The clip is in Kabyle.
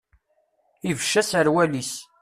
Ibecc aserwal-is.